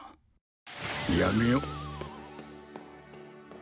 やめよう。